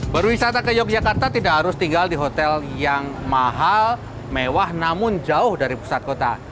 berwisata ke yogyakarta tidak harus tinggal di hotel yang mahal mewah namun jauh dari pusat kota